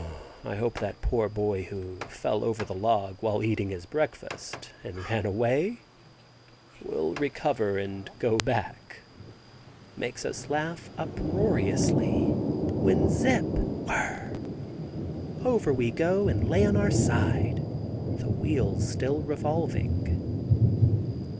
"I hope that poor boy who fell over the log while eating his breakfast and ran away, will recover and go back," makes us all laugh uproariously, when zipp! whir r!! over we go and lay on our side, the wheels still revolving.